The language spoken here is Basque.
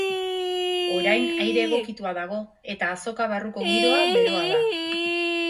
Orain aire egokitua dago eta azoka barruko giroa beroa da.